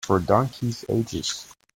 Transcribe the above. For donkeys' ages.